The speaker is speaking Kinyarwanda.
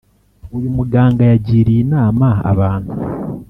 uyu muganga yagiriye inama abantu